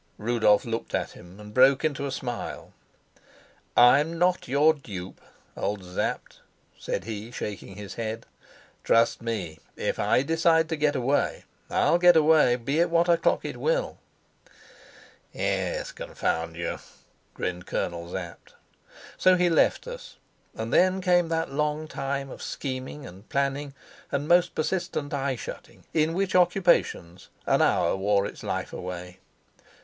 Rudolf looked at him and broke into a smile. "I'm not your dupe, old Sapt," said he, shaking his head. "Trust me, if I decide to get away, I'll get away, be it what o'clock it will." "Yes, confound you!" grinned Colonel Sapt. So he left us, and then came that long time of scheming and planning, and most persistent eye shutting, in which occupations an hour wore its life away.